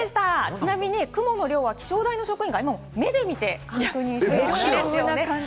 ちなみに雲の量は気象台の職員が目で見て確認しているんですよね。